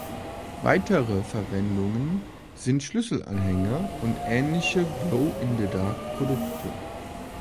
Weitere Verwendungen sind Schlüsselanhänger und ähnliche „Glow-in-the-dark“-Produkte.